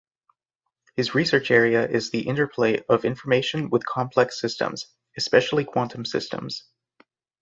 His research area is the interplay of information with complex systems, especially quantum systems.